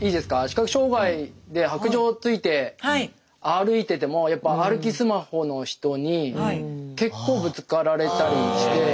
視覚障害で白杖をついて歩いててもやっぱ歩きスマホの人に結構ぶつかられたりして。